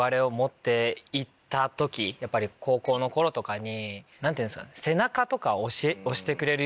やっぱり高校の頃とかに何て言うんですかね。